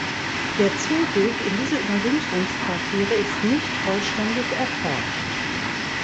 Der Zugweg in diese Überwinterungsquartiere ist nicht vollständig erforscht.